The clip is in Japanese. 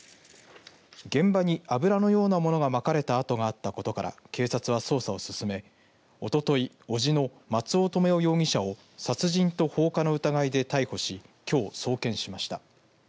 現場に油のようなものがまかれたあとがあったことから警察は捜査を進め、おととい伯父の松尾留与容疑者を殺人と放火の疑いで逮捕しきょう送検しました。